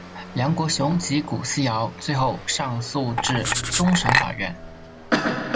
梁国雄及古思尧最后上诉至终审法院。